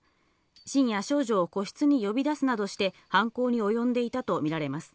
深夜、少女を個室に呼び出すなどして犯行におよんでいたとみられます。